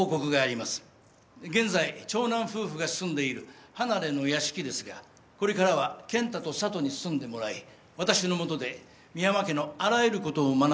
現在長男夫婦が住んでいる離れの屋敷ですがこれからは健太と佐都に住んでもらい私の下で深山家のあらゆることを学んでもらうことにしました。